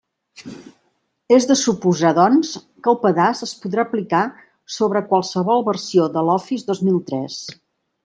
És de suposar, doncs, que el pedaç es podrà aplicar sobre qualsevol versió de l'Office dos mil tres.